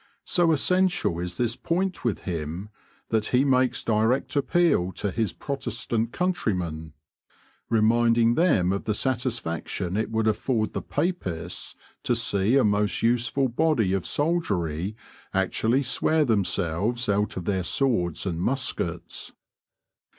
So essential is this point with him, that he makes direct appeal to his Protestant countrymen, reminding them of the satisfaction it would afford the Papists to see a most useful body of soldiery actually swear themselves out of their Swords and muskets.